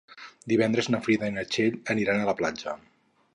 Divendres na Frida i na Txell aniran a la platja.